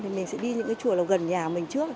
thì mình sẽ đi những cái chùa gần nhà mình trước